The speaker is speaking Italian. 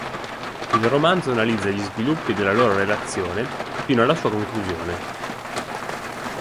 Il romanzo analizza gli sviluppi della loro relazione fino alla sua conclusione.